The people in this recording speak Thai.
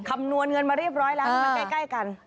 คำนวณเงินมาเรียบร้อยแล้วมันใกล้กัน